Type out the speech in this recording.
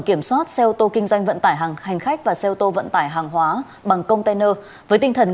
kiểm soát xe ô tô kinh doanh vận tải hàng hành khách và xe ô tô vận tải hàng hóa bằng container với tinh thần